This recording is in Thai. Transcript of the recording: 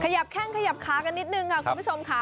ขยับแข้งขยับขากันนิดนึงค่ะคุณผู้ชมค่ะ